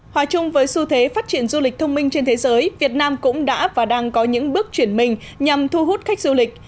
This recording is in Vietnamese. hòa chung với xu thế phát triển du lịch thông minh trên thế giới việt nam cũng đã và đang có những bước chuyển mình nhằm thu hút khách du lịch